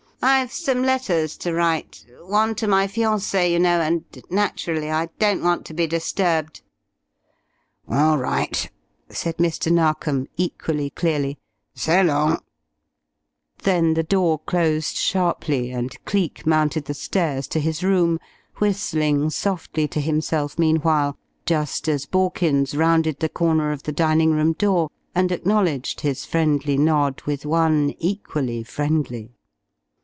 "I've some letters to write. One to my fiancée, you know, and naturally I don't want to be disturbed." "All right," said Mr. Narkom, equally clearly. "So long." Then the door closed sharply, and Cleek mounted the stairs to his room, whistling softly to himself meanwhile, just as Borkins rounded the corner of the dining room door and acknowledged his friendly nod with one equally friendly.